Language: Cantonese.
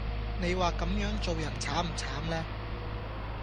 你話咁樣做人慘唔慘呢